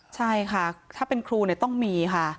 ใช่ค่ะถ้าเป็นครูต้องมีค่ะ